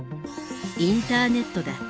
インターネットだ。